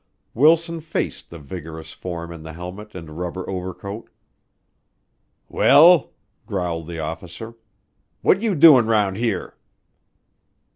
Wilson faced the vigorous form in the helmet and rubber overcoat. "Well," growled the officer, "what you doin' round here?"